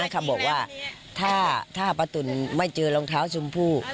เขาบอกว่าถ้าป้าตุ๋นไม่เจอรองเท้าชมพู่